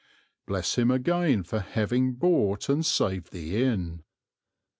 Bless him again for having bought and saved the inn!